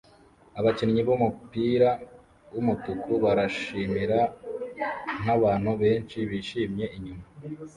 Abakinnyi bumupira wumutuku barashimira nkabantu benshi bishimye inyuma